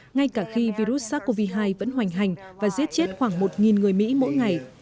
ngay cả khi virus sars cov hai vẫn hoành hành và giết chết khoảng một người mỹ mỗi ngày